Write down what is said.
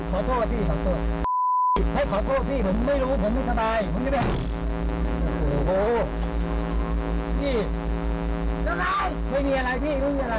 ไม่มีอะไรพี่ไม่มีอะไร